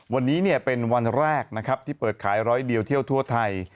วันนี้เป็นวันแรกนะครับที่เปิดขายร้อยเดียวเที่ยวทั่วไทย